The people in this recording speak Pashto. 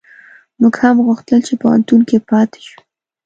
موږ هم غوښتل چي په پوهنتون کي پاته شو